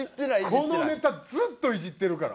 このネタずっとイジってるから。